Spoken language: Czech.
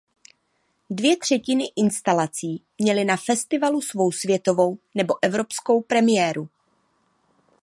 Dvě třetiny instalací měly na festivalu svou světovou nebo evropskou premiéru.